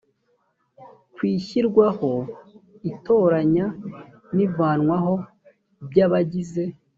ku ishyirwaho itoranya n’ivanwaho by’abagize